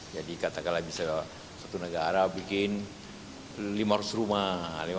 jadi katakanlah bisa satu negara bikin lima ratus rumah